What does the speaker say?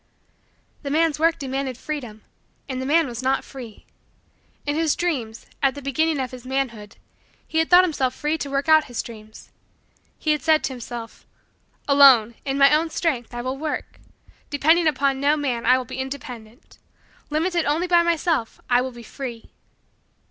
The man's work demanded freedom and the man was not free. In his dreams, at the beginning of his manhood, he had thought himself free to work out his dreams. He had said to himself: "Alone, in my own strength, I will work. Depending upon no man, I will be independent. Limited only by myself, I will be free."